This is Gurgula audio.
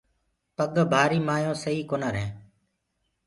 پگ ڀآري مآيونٚ سئي ڪونآ رهينٚ۔